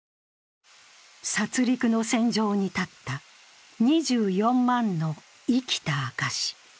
殺りくの戦場にたった２４万の生きた証し。